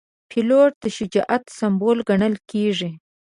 پیلوټ د شجاعت سمبول ګڼل کېږي.